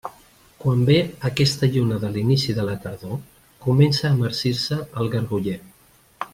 Quan ve aquesta lluna de l'inici de la tardor, comença a marcir-se el garguller.